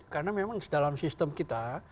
karena memang dalam sistem kita